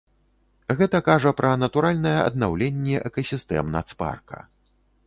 Гэта кажа пра натуральнае аднаўленне экасістэм нацпарка.